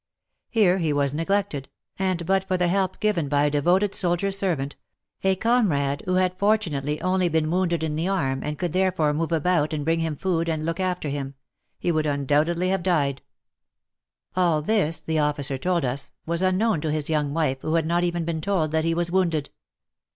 Here he was neglected, and but for the help given by a devoted soldier servant — a comrade who had fortunately only been wounded in the arm and could therefore move about and bring him food and look after him — he would undoubtedly have died. All this, the officer told us, was unknown to his young wife, who had not even been told that he was wounded.